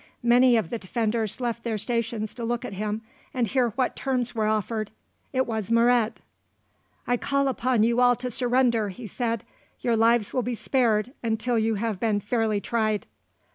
Many of the defenders left their stations to look at him and hear what terms were offered. It was Moret. "I call upon you all to surrender," he said. "Your lives will be spared until you have been fairly tried."